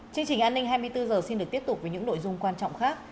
chương trình an ninh hai mươi bốn h xin được tiếp tục với những nội dung quan trọng khác